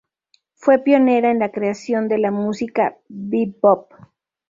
Fue pionera en la creación de la música bebop.